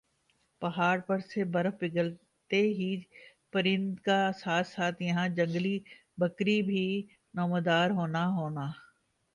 پہاڑ پر سے برف پگھلتے ہی پرند کا ساتھ ساتھ یَہاں جنگلی بکری بھی نمودار ہونا ہونا